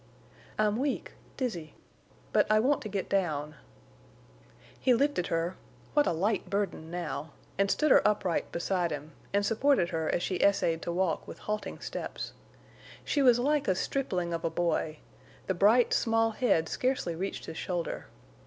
"I'm weak—dizzy. But I want to get down." He lifted her—what a light burden now!—and stood her upright beside him, and supported her as she essayed to walk with halting steps. She was like a stripling of a boy; the bright, small head scarcely reached his shoulder.